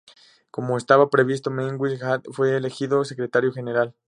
Como estaba previsto, Mengistu Haile Mariam fue elegido secretario general.